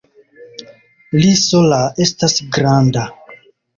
Li sola estas granda!